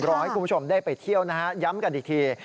รอให้คุณผู้ชมได้ไปเที่ยวนะฮะย้ำกันอีกที